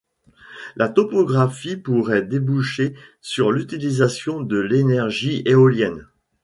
La topographie pourrait déboucher sur l'utilisation de l'énergie éolienne.